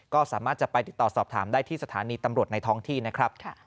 ก็สามารถจะไปติดต่อสอบถามได้ที่สถานีตำรวจในท้องที่นะครับ